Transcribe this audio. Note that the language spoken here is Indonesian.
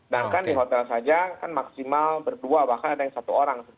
sedangkan di hotel saja kan maksimal berdua bahkan ada yang satu orang